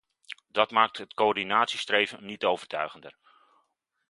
Dat maakt het coördinatiestreven niet overtuigender.